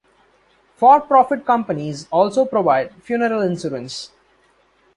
For-profit companies also provide funeral insurance.